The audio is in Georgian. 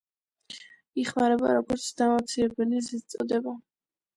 იხმარება როგორც დამამცირებელი ზედწოდება.